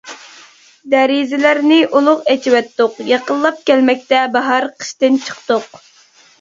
دېرىزىلەرنى ئۇلۇغ ئېچىۋەتتۇق، يېقىنلاپ كەلمەكتە باھار، قىشتىن چىقتۇق.